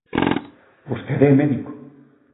Vostede é médico.